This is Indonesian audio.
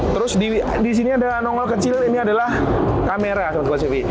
terus di sini ada nongol kecil ini adalah kamera sobat sivy